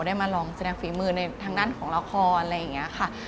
ได้มาลองแสดงฝีมือในทางด้านของละครอะไรอย่างนี้ค่ะ